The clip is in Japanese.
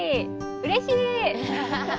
うれしい！